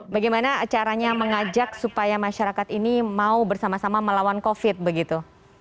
bagaimana caranya mengajak supaya masyarakat ini mau bersama sama melawan covid begitu